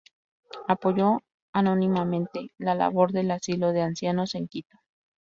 Apoyó anónimamente la labor del asilo de ancianos en Quito.